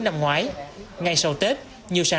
năm ngoái ngay sau tết nhiều sàn